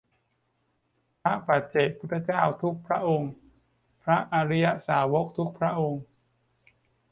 พระปัจเจกพุทธเจ้าทุกพระองค์ พระอริยสาวกทุกองค์